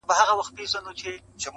که پاچا دی که امیر ګورته رسیږي-